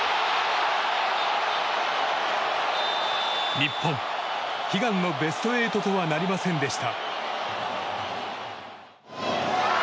日本、悲願のベスト８とはなりませんでした。